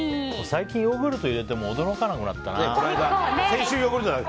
最近、ヨーグルト入れても驚かなくなったな。